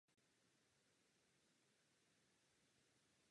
Dle jejích tvrzení docházelo při volbách k porušování volebního zákona.